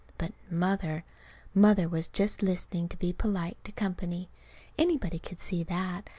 But Mother Mother was just listening to be polite to company. Anybody could see that.